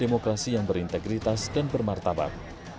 demokrasi yang berintegritas dan bermartabat